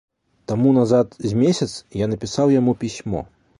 Таму назад з месяц я напісаў яму пісьмо.